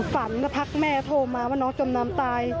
ฝันแล้วพักแม่โทรมาว่าน้องจมน้ำตาย